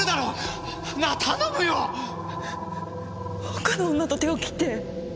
他の女と手を切って。